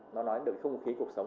nó nói đến không khí cuộc sống